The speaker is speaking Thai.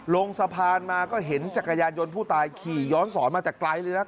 ลงสะพานมาก็เห็นจักรยานยนต์ผู้ตายขี่ย้อนสอนมาแต่ไกลเลยนะ